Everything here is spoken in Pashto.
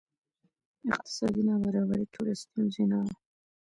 اقتصادي نابرابري ټولې ستونزې نه وه.